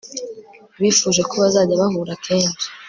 bifuje ko bazajya bahura kenshi